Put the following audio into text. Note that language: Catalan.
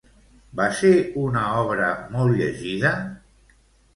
Va ser una obra molt llegida?